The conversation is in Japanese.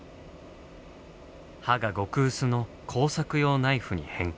刃が極薄の工作用ナイフに変更。